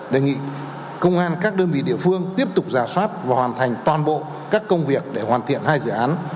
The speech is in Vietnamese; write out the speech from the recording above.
đề nghị công an các đơn vị địa phương tiếp tục giả soát và hoàn thành toàn bộ các công việc để hoàn thiện hai dự án